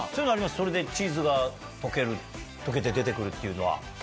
それでチーズが溶けて出て来るっていうのは。